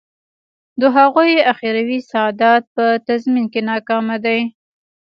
د هغوی اخروي سعادت په تضمین کې ناکامه دی.